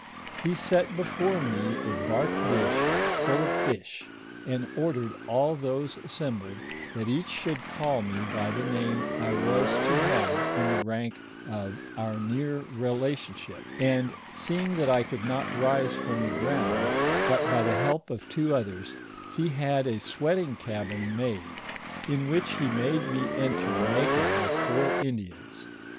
He set before me a bark dish full of fish, and ordered all those assembled, that each should call me by the name I was to have in the rank of our near rela tionship; and seeing that I could not rise from the ground but by the help of two othere, he had a sweating cabin made, in which he made me enter naked with four Indians.